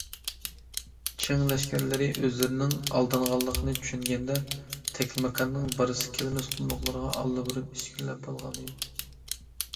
چىڭ لەشكەرلىرى ئۆزلىرىنىڭ ئالدانغانلىقىنى چۈشەنگەندە، تەكلىماكاننىڭ بارسا كەلمەس قۇملۇقلىرىغا ئاللىبۇرۇن ئىچكىرىلەپ بولغانىدى.